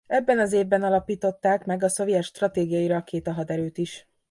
Ebben az évben alapították meg a szovjet Stratégiai Rakéta Haderőt is.